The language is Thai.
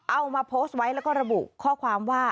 เอามาโพสต์ไว้แล้วก็ระบุข้อความว่า